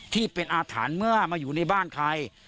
ที่เป็นอาถรรพ์เมื่อมาอยู่ในบ้านใคร